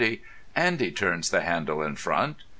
Andy turns the handle in front.